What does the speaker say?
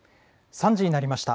３時になりました。